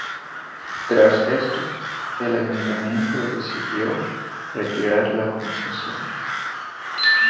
Tras esto, el Ayuntamiento decidió retirar la concesión.